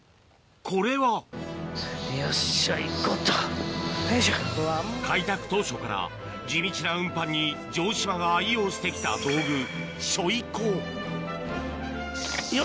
これは開拓当初から地道な運搬に城島が愛用してきた道具行こな。